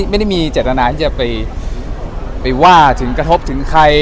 ไม่ได้มีเจตนาที่จะไปว่าถึงกระทบถึงใคร